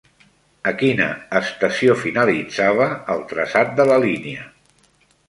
A quina estació finalitzava el traçat de la línia?